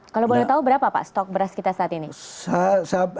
kalau boleh tahu berapa pak stok beras kita saat ini